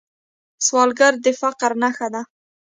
سوالګر د فقر نښه ده